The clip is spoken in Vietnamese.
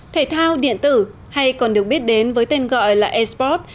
thể thao điện tử hay còn được biết đến với tên gọi là airsport